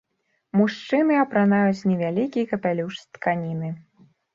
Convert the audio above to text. Мужчыны апранаюць невялікі капялюш з тканіны.